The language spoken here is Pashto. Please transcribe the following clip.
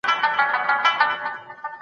ارزښتونه باید وپېژندل سي.